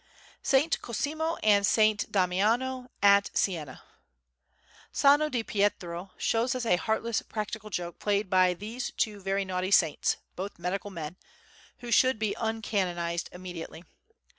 Saint Cosimo and Saint Damiano at Siena Sano di Pietro shows us a heartless practical joke played by these two very naughty saints, both medical men, who should be uncanonised immediately.